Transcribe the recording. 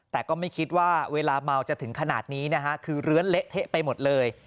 แต่ก็ไม่คิดว่าเวลาเมาจะถึงขนาดนี้นะฮะคือเลื้อนเละเทะไปหมดเลย